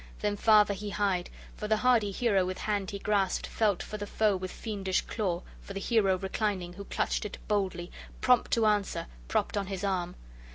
Then farther he hied; for the hardy hero with hand he grasped, felt for the foe with fiendish claw, for the hero reclining, who clutched it boldly, prompt to answer, propped on his arm.